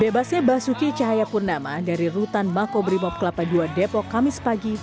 bebasnya basuki cahaya purnama dari rutan makobri pop kelapa ii depok kamis pagi